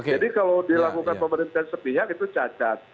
jadi kalau dilakukan pemerintahan sepihak itu cacat